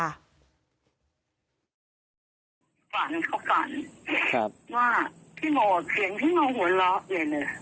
ฝันเขาก่อนว่าพี่โมเสียงพี่โมหัวเราะเลยเลย